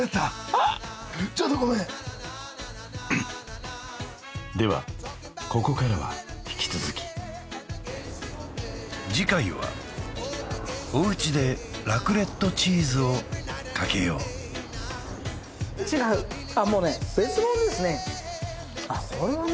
ハッちょっとごめんではここからは引き続き次回はおうちでラクレットチーズをかけよう違うあっもうね別物ですねあっこれはね